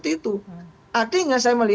dan itu juga adalah hal yang harus kita lakukan